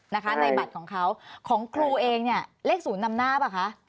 ในบัตรของเขาของครูเองเลขศูนย์นำหน้าเปล่าคะ